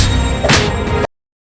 mereka semua berpikir seperti itu